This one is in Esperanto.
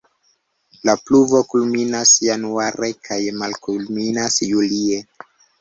La pluvo kulminas januare kaj malkulminas julie.